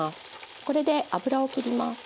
これで油を切ります。